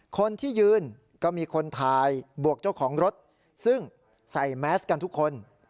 คนที่ยืนก็มีคนถ่ายบวกเจ้าของรถซึ่งใส่แมสกันทุกคน